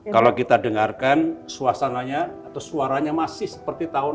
kalau kita dengarkan suasananya atau suaranya masih seperti tahun enam puluh an